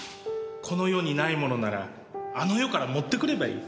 この世にないものならあの世から持ってくればいい。